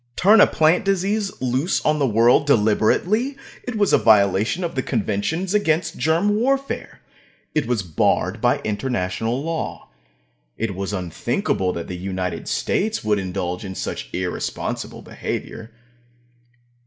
Turn a plant disease loose on the world deliberately! It was a violation of the conventions against germ warfare. It was barred by international law. It was unthinkable that the United States would indulge in such irresponsible behavior.